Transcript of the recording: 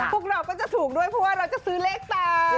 ต่อแล้วก็จะถูกด้วยเพราะว่าเราจะซื้อแรกต่อ